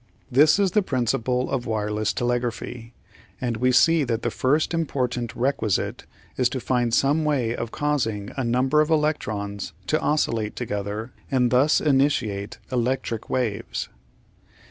This is the principle of wireless telegraphy, and we see that the first important requisite is to find some way of causing a number of electrons to oscillate together, and thus initiate electric waves.